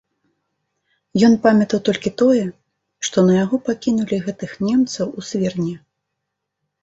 Ён памятаў толькі тое, што на яго пакінулі гэтых немцаў у свірне.